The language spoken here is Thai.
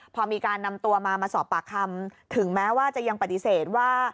พอมีการนำตัวมามาสอบปากคำถึงแม้ว่าจะยังปฏิเสธว่า